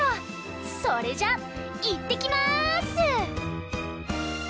それじゃいってきます！